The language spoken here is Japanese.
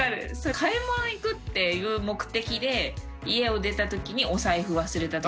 買い物行くっていう目的で、家を出たときにお財布忘れたとか。